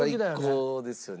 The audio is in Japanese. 最高ですよね。